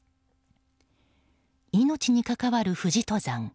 命に関わる富士登山。